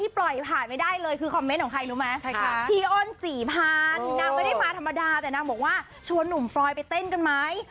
ผ่านนางไม่ได้มาธรรมดาแต่นางบอกว่าชวนหนุ่มฟรอยไปเต้นกันไหม